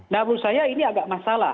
nah menurut saya ini agak masalah